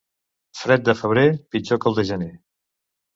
Fred de febrer, pitjor que el de gener.